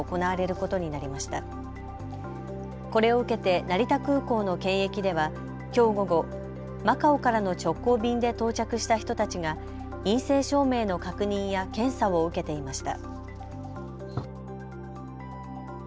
これを受けて成田空港の検疫ではきょう午後、マカオからの直行便で到着した人たちが陰性証明の確認や検査を受けていました。